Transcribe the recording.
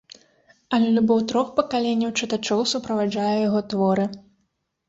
Але любоў трох пакаленняў чытачоў суправаджае яго творы.